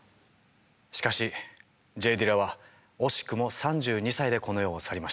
しかしＪ・ディラは惜しくも３２歳でこの世を去りました。